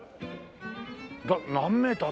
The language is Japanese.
何メーター？